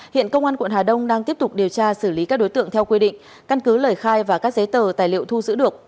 hiện công an quận hà đông đang tiếp tục điều tra xử lý các đối tượng theo quy định căn cứ lời khai và các giấy tờ tài liệu thu giữ được